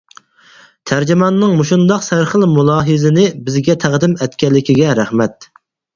تەرجىماننىڭ مۇشۇنداق سەرخىل مۇلاھىزىنى بىزگە تەقدىم ئەتكەنلىكىگە رەھمەت.